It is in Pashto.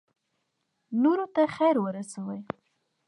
نورو ته خیر ورسوئ